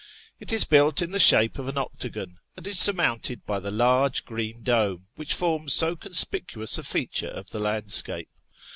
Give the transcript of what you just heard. It is built in the shape of an octagon, and is surmounted by the large green dome which forms so conspicuous a feature of the landscape.